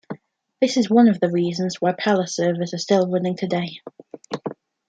This is one of the reasons why Palace servers are still running today.